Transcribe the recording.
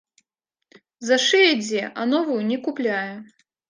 Зашые дзе, а новую не купляе.